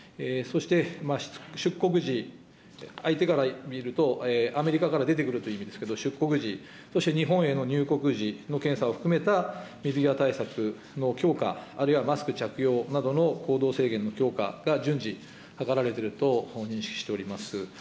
そして出国時、相手から見ると、アメリカから出てくるという意味ですけれども、出国時、そして日本への入国時の検査を含めたメディア対策の強化、あるいはマスク着用などの行動制限の強化が順次、図られていると認識しています。